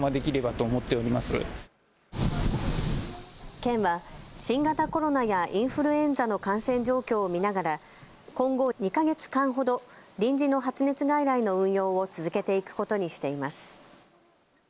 県は新型コロナやインフルエンザの感染状況を見ながら今後、２か月間ほど臨時の発熱外来の運用を続けていくことにしています。